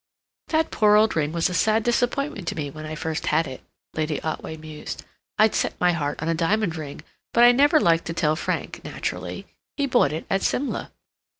"That poor old ring was a sad disappointment to me when I first had it," Lady Otway mused. "I'd set my heart on a diamond ring, but I never liked to tell Frank, naturally. He bought it at Simla."